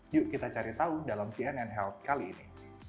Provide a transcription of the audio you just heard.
yuk kita cari tahu dalam cnn health kali ini